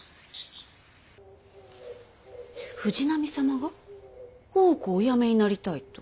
藤波様が大奥をお辞めになりたいと。